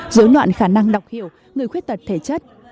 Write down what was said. giới noạn khả năng đọc hiểu người khuyết tật thể chất